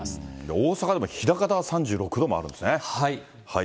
大阪でも、枚方が３６度もあるんですね。